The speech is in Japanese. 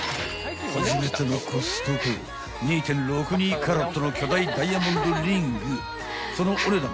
［初めてのコストコ２．６２カラットの巨大ダイヤモンドリングそのお値段